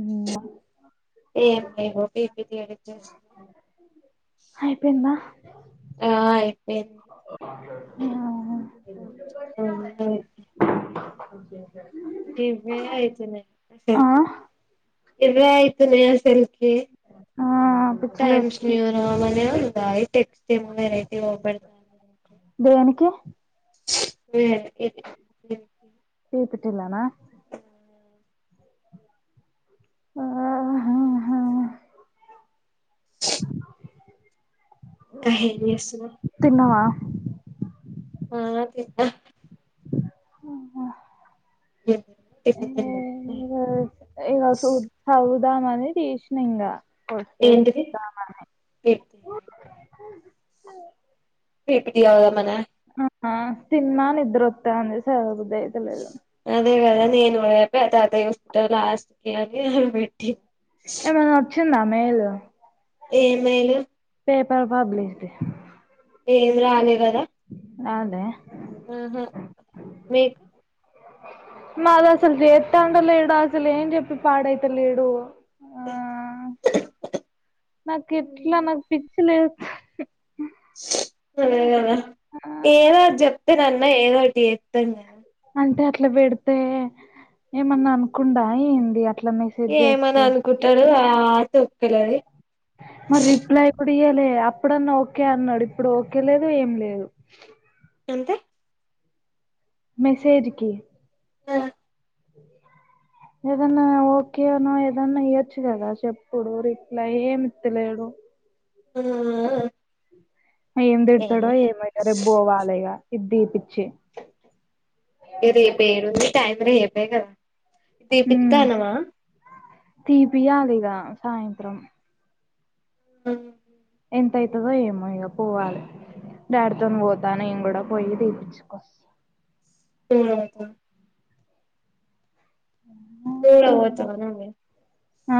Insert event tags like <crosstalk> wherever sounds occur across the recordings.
ఉమ్ ఏమీలేవు PPT edit చేస్తున్నా అయిపోయిందా ఆ ఏమ్ అ అ ఇంకో కొంచెం ఉన్నది. <unintelligible> ఇవ్వే అయితున్నాయి ఆ అసెల్కి ఇవ్వే అయితలే అసెల్కి ఆ టైమ్ పిచ్చిలేస్తుంది న్యూ రోమన్ పై టెక్సటింగ్ <inaudible> దేనికి ఎ ఏది ఊపుతున్నానా ఆహా ఏం చేస్తున్నావ్ తిన్నవా ఆ నువ్వు తిన్నావా? టిఫిన్ తిన్నా ఆఓ <inaudible> వద్దా మని తీసిన ఇంగ వస్తే ఏంటిది ఇద్దామని పీపీటీయా పేటికీలో పోదాం అన ఆ తిన్న నిద్రొత్తాది సో అదే కద నేను అయిపోయా తాతయ వస్తా లాస్ట్కి అని పెట్టిన ఏమైన వచ్చిందా మేలు ఏమైలు ఏ ప భబలేసిది ఏం రాలే కదా అదే హ్మ్ హు మీ మాది అసలు చేస్తా అండలేడు అసలు ఏం చెప్పి పాడైత లేడు అ నాకు ఎట్లా నాకు పిచ్చి లే అ ఆ ఏదో చెప్ రన్నా <inaudible> అంతే అట్లా పెడితే ఏమన్నా అనుకుండా ఏంది అ ఏమని అనుకుంటాడు ఆ తొక్కలే మ రిప్లై కూడ ఇయ లే అప్పుడన్నా ఓకే అన్నాడు ఇప్పుడు ఓకే లేదు ఏం లేదు ఎంత మెసేజ్కి ఆ ఏదన్నా ఓకేనో ఏదన్నా ఇయొచ్చు కదా చెప్పుడు రిప్లై ఏమిత్తలేడు <unintelligible> ఏం ఏ పేడతాడో ఏమే రేప్ బోవాలి ఇది తిపి చ్చి ఇగ రేపు ఏడుంది టైం రేపే కదా తీపిత్తానవా తీపియాలిగా సాయంత్రం ఉ ఎంత అయితదో ఏమో ఇగా పోవాలి. డాడీతోని పోతా నేను కూడా పోయి తీపిచ్చుకోస్త హ్ అదా <unintelligible> పోతావా ఆ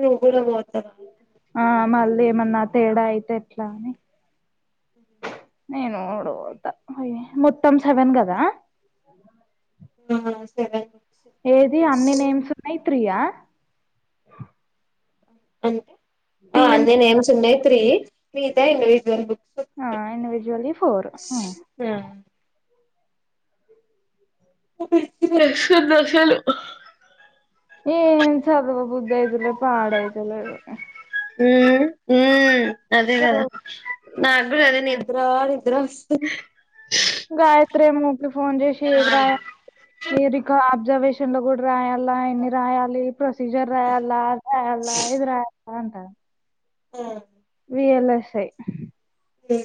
నువ్వు కూడా పోతావ అంటన్న ఆ మళ్ళీ ఏమన్నా తేడా అయితే ఎట్లా అని నేను కూడా పోతా మొత్తం సెవెన్ కదా ఆ సరే ఏది అన్ని నేమ్స్ ఉన్నాయి త్రియా అంటే ఆ టీమ్ అన్ని నేమ్స్ ఉన్నాయి త్రీ మిగతాయి ఇండివిజువల్ బుక్స్ ఆ ఇండివిజువల్లీ ఫోర్ దొశలు ఏం చదువ బుద్ది అయితలేదు ప్పడ అయిత లేదు ఉ ఉ అదే కదా నా గూడా అదే నిద్ర నిద్ర అస్తు గాయత్రేమో ఊకె ఫోన్ జెసి ఏధీరయా ఏ రికార్ రిజర్వషన్ లో కూడా రాయ అలా ఏన్ని రాయాలి. ప్రొసీజర్ రాయాలా రాయాల ఏది రాయల పంట <unintelligible> ఇయ్యలాస్తాయ్ హ్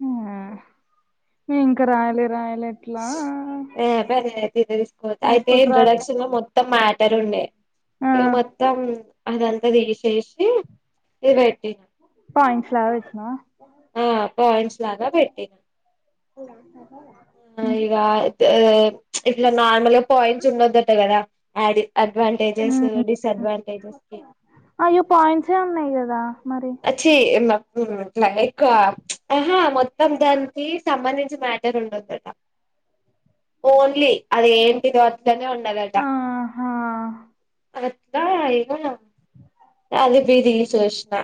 హు నేన్ ఇంకా రయలే ఏ పది అయితే ఇదే తెసుకోపోతా అయితే ఎప్పుడు రాత ఇంట్రొడక్షన్ లో మొత్తం మా ఇద్దరుండే ఆ ఇగ మొత్తం అదంతా తీసేసి ఇది పెట్టినా <unintelligible> పెట్టినవ ఆ పాయింట్స్ లాగా పెట్టినా ఆ ఇగ తే ఇట్లా నార్మల్ గా పాయింట్స్ ఉండొద్దటగ దా ఆడి అడ్వాంటేజెస్ ఉమ్ డిసడ్వాంటేజెస్ కి అయ్యో పాయింట్సే ఉన్నాయి కదా మరి ఎచీ ఎన్నా ఉమ్ ఆహా మొత్తం దాంది సంబంధించి మాటరుండొంద ట్ ఓన్లీ అది ఏంటి దో నే ఉండలటా ఆహా అదిప్పుడ్ తీష్ వచ్చిన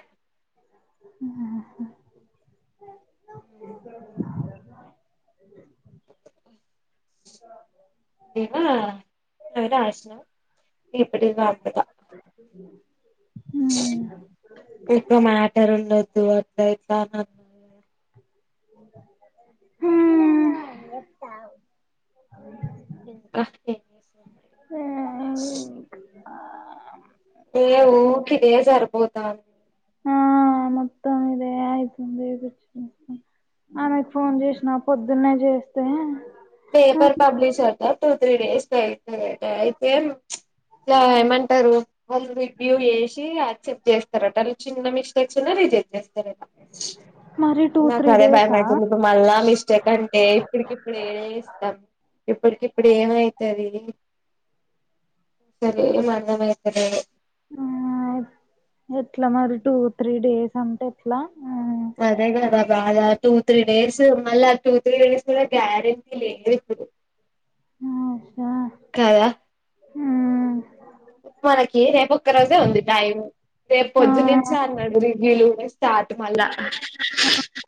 ఆ హ నేనా ఇగ నాశనం న ఎప్పుటి మారతడో ఉమ్ క్కువ మాటర్ ఉండొద్దు అట్లా ఇట్లా అనొద్ ఎస్ వప్పా ఇంకా ఏం చేస్తుర్ మరి ఏ ఊకిదే సరిపోతాంద్ ఆ మొత్తం ఇదే నకు ఫోన్ జెసిన పొద్దున్నే చేస్తే paper publisher two three days అయితదట అయితే ంటారు అది బిబ్యో ఎషీ రిజెక్ట్ చేస్తారట అది చిన్న మిస్టేక్స్ ఉన్న రిజెక్ట్ చే మరి టూ నాకు త్రీ అదే డేసా భయపడుతుంది ఇప్పుడు మళ్ళా మిస్టేక్ అంటే ఇప్పుడికి ఇప్పుడు ఏ ఇప్పటికి ఇప్పుడు ఏమయితది అసలేం అర్థం అయితలేదు ఆ ఎట్లా మరి టూ త్రీ డేస్ అంటే ఎట్లా అదే కదా బాద టూ త్రీ డేస్ మళ టూ త్రీ డేస్ గ్యారంటీ లేదు ఇప్పుడ్ ఆ అషా మనకి రేపు ఒక్క రోజే ఉంది టైం రేపు ఆ పొద్దు నుంచే అన్నాడు రివ్యూలు స్టార్ట్ మళ్ళా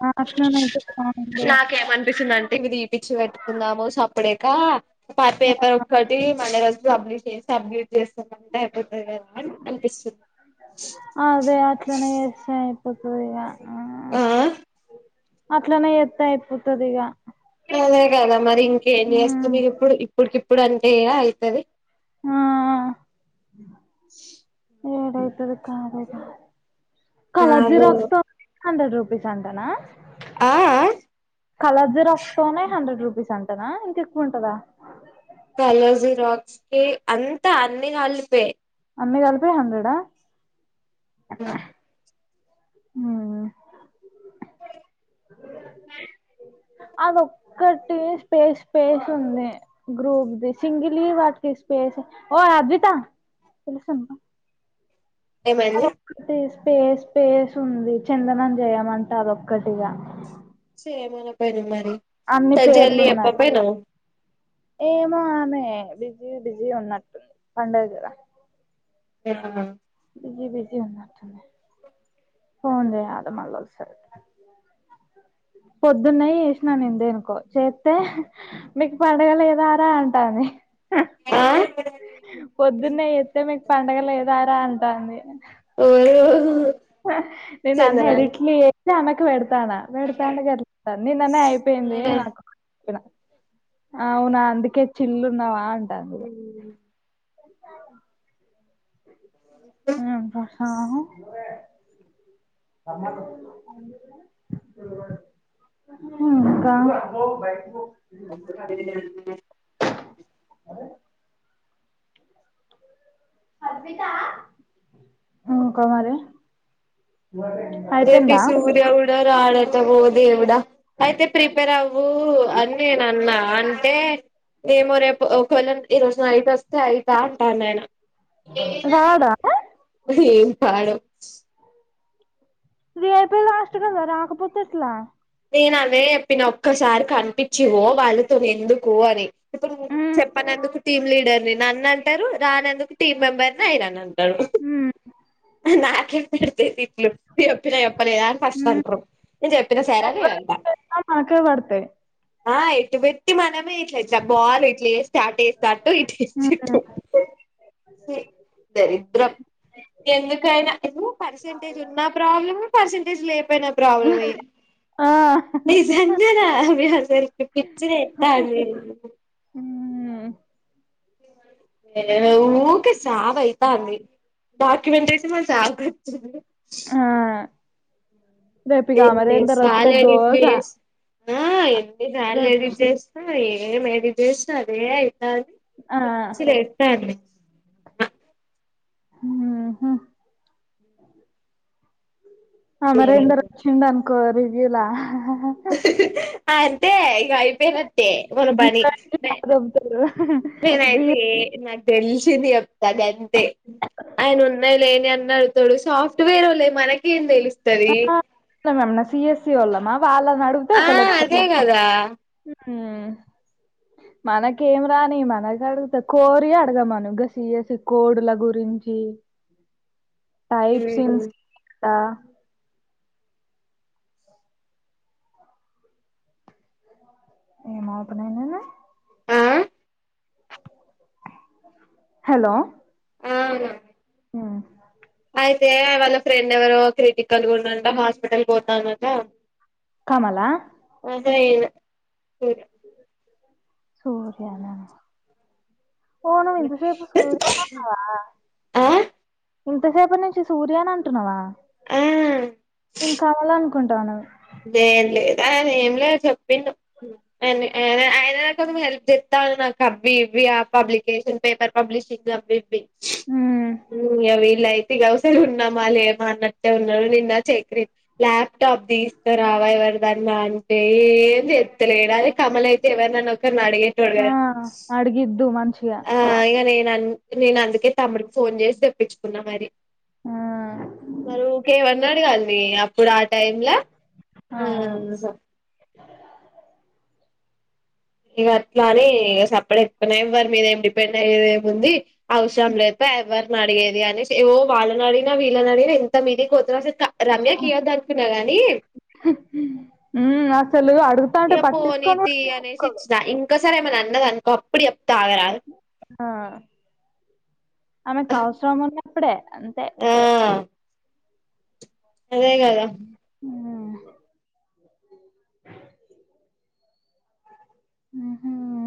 ఆ అట్లనే అయితే బాగుండు నాకేమనిపిస్తంటే అంటే మీరు ఇవి తీ పిచ్చి పెట్టుకుందాము సప్పుడేక్ కా పా పేపర్ ఉడిత మల్ల రోజ్ కి సబ్మిట్ చే సబ్మిట్ చేస్తామంటే అయిపోతది కదా అని అనిపిస్తుంది అదే అట్లనే చేస్తాయి ఇప్పుడిగా ఆ ఆ అట్లనే ఎత్తే అయిపోతదిగా <unintelligible> మ ఇంకేం చేస్తారు ఇప్పుడు ఇప్పుడుకి ఎప్పుడు అంతేగా అయితది ఆ ఏడైతుంది కా కలర్ అదే జిరాక్స్ తో హండ్రెడ్ రూపీస్ అంటానా ఆ కలర్జ రక్స్ తనే హండ్రెడ్ రూపీస్ అంట నా ఇంకెకువ ఉంటదా కలర్ జిరాక్స్ కి అంత అన్ని కలిపే అన్ని కలిపి హండ్రెడా ఆ అను ఓకటి స్పేస్ స్పేస్ ఉంది గ్రూప్ది సింగలీ వాటికి స్పేస్ ఓ అద్విత ఏం అయింది అదొక్కటి స్పేస్ స్పేస్ ఉంది చందనం చేయమంటారు ఒక్కటిగా ఏ మన పైన మరి తా పేర్లు జల్ది ఉన్నది చెప్పపోయినావ్ ఏమో ఆమె బిజీ బిజీ ఉన్నట్టుంది పండుగ కదా ఆ బిజీ బిజీ ఉన్నట్టుంది ఫోన్ చేయాలి మల్లా ఒకసారి పొద్దునే చేసినా నేను దేనికో చేస్తే మీకు పండుగ లేదా రా అంటాంది ఆ పొద్దున్నే ఎస్తే మీకు పండగ లే ఏదారా అంటుంది హమ్ హ నేను అన్ని ఎడిట్లే <unintelligible> <unintelligible> నిన్ననే అయిపోయింది మాకు <unintelligible> అవునా అందుకే చిల్లున్నావా అంటాంది ఇగ హ్మ్ <unintelligible> ఇంకా <unintelligible> <unintelligible> హు కుమారి రేపు ఈ సూర్య దేవుడు <unintelligible> దేవుడ అయితే ప్రిపేర్ అవ్వు అని నేను అన్న అంటే ఏమో రేపు <unintelligible> ఈ రోజు నైట్ వస్తే అయితా అంటా నేను రాడా ఏం పాడు రేపే లాస్ట్ కదా రాకపోతే ఎట్ల నేను అవే చెప్పిన ఒక్కసారి కనిపించి పో వాళ్ళుతోని ఎందుకు అని ఇప్పుడు చెప్పన ఎందుకు టీమ్ లీడర్ ని నన్ను అంటారు రానందుకు టీమ్ మెంబర్ అయినానన్ను నాకేందుకు పడితాయి తిట్లు చెప్పినా చెప్పలేదా అని ఫస్ట్ అంటారు నేను చెప్పినా సార ఎవలు చేయకపోయినా మాకే పడతయి ఆ ఎటు పెట్టి మనమే జపాల్ ఇట్ల అటు ఎస్తే అటు ఇటు ఎస్తే ఇటు ఏ దరిద్రం ఎందుకైనా పార్సెంటేజ్ ఉన్నా ప్రాబ్లెమ్ లేకున్నా ప్రాబ్లమ్ ఇస్ లె చెప్పు ప్రాబ్లమ్ ఎంటి ఆ నిజంగానా మీ అందరికి పిచ్చి లేతంది హమ్ యుకే చావ్ అయితాంది డాక్యూమెంట్ మా చావ్ వచ్చింది ఆ రేపు ఇగ ఎన్ని అమరేందర్ వత్తే సార్లు ఎడిట్ గోస చేస్ ఆ ఎన్ని సార్లు రేపు ఎడిట్ చేస్తాం ఎమ్ ఎడిట్ చేసిన అదే అయి కాద్ ఆ పిచ్చి లేస్తంది ఆ హా హ అమరేంద్ర చిన్న కోడికూర అంటే అయిపోయినట్టే ఓ పని దొబ్బుతరు నేనైతే తెలిసి <unintelligible> చెప్తా గంతే ఆయన ఉన్నాయి లేనియి అన్ని అడుగుతాడు సాఫ్ట్వేర్ ఒళ్ళే మనకేం తెలుసు <unintelligible> ఎమన్నా సి య సి ఒళ్లమా ఆ అదెగదా మ్మ్ మనకి ఏం రాని మ అది అడుగుత కోరి అడగామను గ సియసి కోడుల గురించి టైప్ సిన్స్ ఆ ఎమ్ అవుతున్నాయి నిన్ను ఆ హలో అవునా మ్మ్ అయితే వాళ్ళ ఫ్రెండ్ ఎవరో క్రిటికల్గా ఉందంట హాస్పిటల్ పోతందంట. కమలా సరే సూర్యా న ఓ నువ్వు ఇంత సేపు సూర్య ను అన్నవా ఆ ఇంతసేపటి నుంచి సూర్య ను అంటున్నావా ఆ నేను కావాలా న్ కుంటా ఉన్నావి లేదు లేదు అదే ఏం లేదు చెప్పిండు ఆయన నాకు హెల్ప్ చేస్తాండు నాకు అవ్వి ఇవ్వి ఆ పబ్లికేషన్ పేపర్ పబ్లిషింగ్ అవ్వి ఇవ్వి ఉమ్, అవి ఇలాయితే గవస ఉన్నామా లేమ అన్నట్టే ఉన్నా నిన్న చక్రి ఇగ రావా ఎవరిదన్నా అంటే ఏం చేస్తాలేడు అదే కమల అయితే ఎవరినన్న వ అడిగేటోడు ఆ, కడ్ అడిగిద్దు మంచిగా ఆ ఇగ నే నన్ నేను అందుకే తమ్డికి ఫోన్ చేసి తెప్పించుకున్నా మరి ఉమ్, మరీ ఉరికే పన్నారు కదా పే యాప్ ఇప్పుడు ఆ టైమ్ లో ఆ అవును ఇగ అట్లా అని సప్పుడేకున్నాం ఎవరి మీద ఏం డిపెండ్ అయ్యేద ఏముంది అవసరం లే పో ఎవ్వరు అడిగేది అనేసి ఓ వాళ్ళనీ అడిగిన వీళ్ళని అడిగిన ఇంత మీదకి పోతుంనా సరే రమ్యకి ఇయ్యాదు అనుకున్నా గాని ఉమ్, అసలు అడుగుతా అంటే ఇగ పట్టించుకొని పోనితీ కూడా అనేసి పట్టించుకోదు. ఇచ్చినా ఇంకా ఇసారీ ఎమన్న అన్నాది అనుకో అప్పుడు చెప్తా ఆగ ఆ అమె కి అవసరం ఉన్నప్పుడే అంతే ఆ అదే కదా మ్మ్ హ్మ్